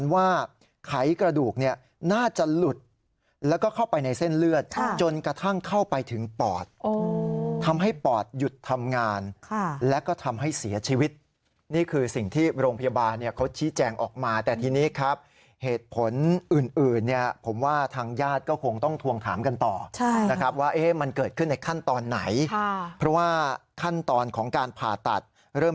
ว่าไขกระดูกเนี่ยน่าจะหลุดแล้วก็เข้าไปในเส้นเลือดจนกระทั่งเข้าไปถึงปอดทำให้ปอดหยุดทำงานแล้วก็ทำให้เสียชีวิตนี่คือสิ่งที่โรงพยาบาลเนี่ยเขาชี้แจงออกมาแต่ทีนี้ครับเหตุผลอื่นเนี่ยผมว่าทางญาติก็คงต้องทวงถามกันต่อนะครับว่ามันเกิดขึ้นในขั้นตอนไหนเพราะว่าขั้นตอนของการผ่าตัดเริ่ม